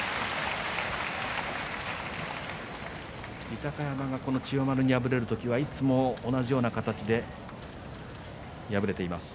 豊山が千代丸に敗れる時はいつも同じような形で敗れています。